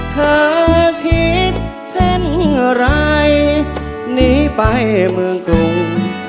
เธอคิดเช่นไรหนีไปเมืองกรุง